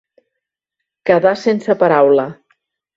Quedar sense paraula.